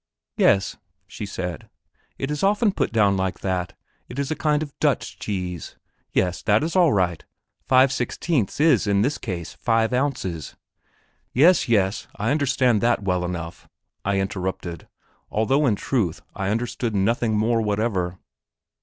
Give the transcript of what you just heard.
"Yes," she said; "it is often put down like that; it is a kind of Dutch cheese. Yes, that is all right five sixteenths is in this case five ounces." "Yes, yes; I understand that well enough," I interrupted, although in truth I understood nothing more whatever.